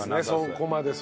そこまで。